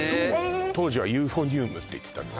当時はユーフォニウムって言ってたのよ